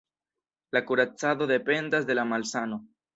La kuracado dependas de la malsano.